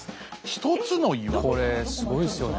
１つの岩⁉これすごいですよね。